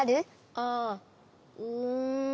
ああうん。